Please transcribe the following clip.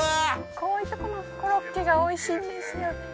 こういうとこのコロッケがおいしいんですよね